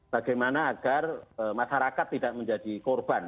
bagaimana agar masyarakat tidak menjadi korban